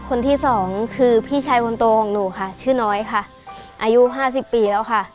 คนที่สองคือพี่ชายคนโตของหนูค่ะชื่อน้อยค่ะอายุห้าสิบปีแล้วค่ะ